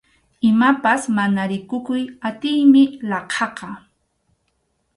Imapas mana rikukuy atiymi laqhaqa.